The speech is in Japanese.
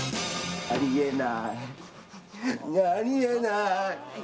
あり得ないあり得ない。